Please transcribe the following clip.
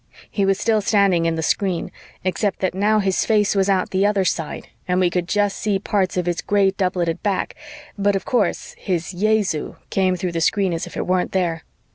He was still standing in the screen, except that now his face was out the other side and we could just see parts of his gray doubleted back, but, of course, his "Jesu!" came through the screen as if it weren't there.